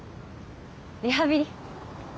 リハビリ。